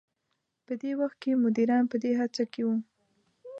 په دې وخت کې مديران په دې هڅه کې وو.